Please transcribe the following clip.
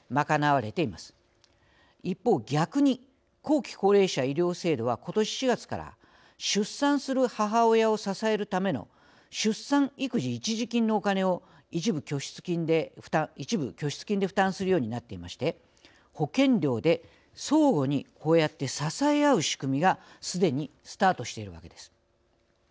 一方逆に後期高齢者医療制度は今年４月から出産する母親を支えるための出産育児一時金のお金を一部拠出金で負担するようになっていまして保険料で相互にこうやって支え合う仕組みがすでにスタートしているわけです。